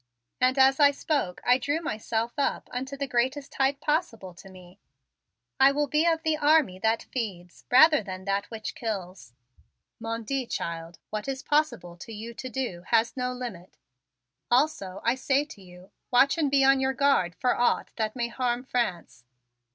And as I spoke I drew myself up unto the greatest height possible to me. "I will be of the army that feeds, rather than of that which kills." "Mon Dieu, child, what is possible to you to do has no limit. Also, I say to you, watch and be on your guard for aught that may harm France.